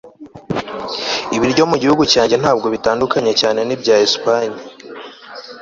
ibiryo mu gihugu cyanjye ntabwo bitandukanye cyane nibya espanye